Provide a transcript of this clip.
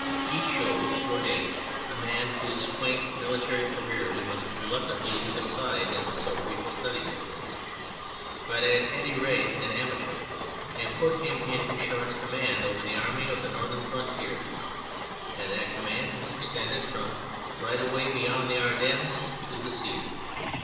He chose Jourdan, a man whose quaint military career we must reluctantly leave aside in so brief a study as this, but at any rate an amateur, and put him in Houchard's command over the Army of the Northern Frontier, and that command was extended from right away beyond the Ardennes to the sea.